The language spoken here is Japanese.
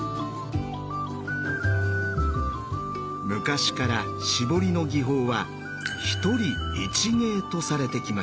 昔から絞りの技法は「一人一芸」とされてきました。